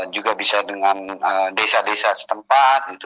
juga bisa dengan desa desa setempat gitu